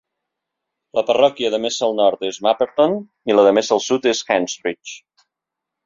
La parròquia de més al nord és Mapperton i la de més al sud és Henstridge.